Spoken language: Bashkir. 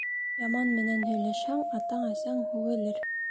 Яман менән һөйләшһәң, атаң-әсәң һүгелер.